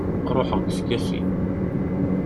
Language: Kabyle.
Ruḥeɣ gefgafi!